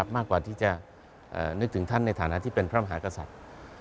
มากกว่าที่จะนึกถึงท่านในฐานะที่เป็นพระมหากษัตริย์